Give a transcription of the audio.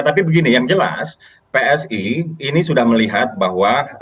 tapi begini yang jelas psi ini sudah melihat bahwa